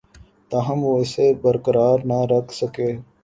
تاہم وہ اسے برقرار نہ رکھ سکے